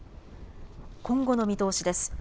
今後の見通しです。